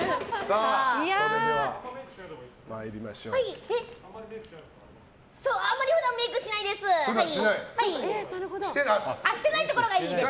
あまり普段はメイクしないです。